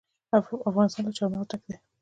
افغانستان له چار مغز ډک دی.